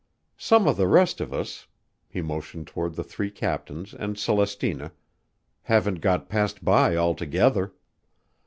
Some of the rest of us " he motioned toward the three captains and Celestina, "have got passed by altogether.